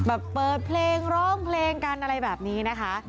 เปิดเพลงร้องเพลงกันอะไรแบบนี้นะคะ